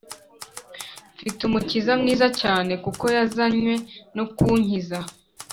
Mfit' Umukiza mwiza cyane, Kuko yazanywe no kunkiza.